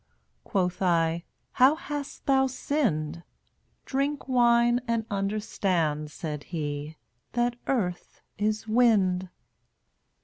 Quoth I: "How hast thou sinned! 1 "Drink wine, and understand," Said he, "that earth is wind."